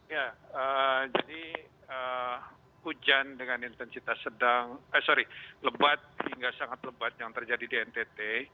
ya jadi hujan dengan intensitas sedang eh sorry lebat hingga sangat lebat yang terjadi di ntt